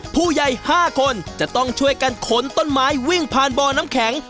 ผู้ใหญ่๕คนจะต้องช่วยกันขนต้นไม้วิ่งผ่านบ่อน้ำแข็ง